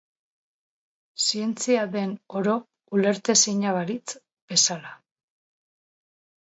Zientzia den oro ulertezina balitz bezala.